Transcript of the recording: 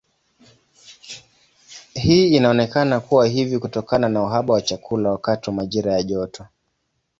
Hii inaonekana kuwa hivi kutokana na uhaba wa chakula wakati wa majira ya joto.